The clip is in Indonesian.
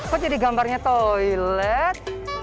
kok jadi gambarnya toilet